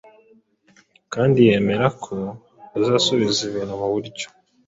kandi yemera ko azasubiza ibintu mu buryo